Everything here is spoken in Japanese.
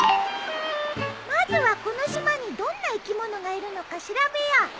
まずはこの島にどんな生き物がいるのか調べよう。